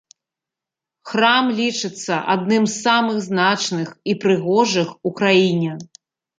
Храм лічыцца адным з самых значных і прыгожых у краіне.